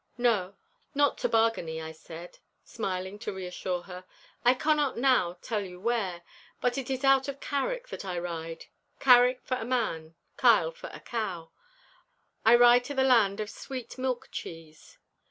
'Not to Bargany,' I said, smiling to reassure her. 'I cannot now tell you where, but it is out of Carrick that I ride—Carrick for a man—Kyle for a cow. I ride to the land of sweet milk cheese!